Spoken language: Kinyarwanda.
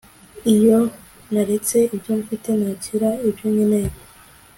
iyo naretse ibyo mfite, nakira ibyo nkeneye